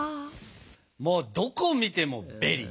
もうどこ見てもベリー。